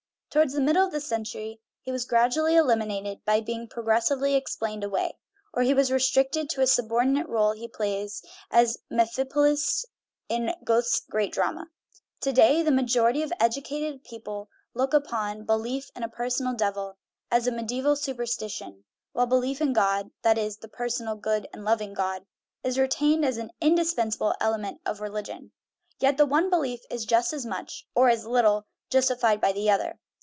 Towards the middle of the century he was gradually eliminated by being progressively explained away, or he was restricted to the subordinate rdle he plays as Mephistopheles in Goethe's great drama. To day the majority of edu cated people look upon " belief in a personal devil " as a mediaeval superstition, while "belief in God" (that is, the personal, good, and loving God) is retained as an indispensable element of religion. Yet the one be lief is just as much (or as little) justified as the other.